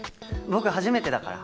僕初めてだから。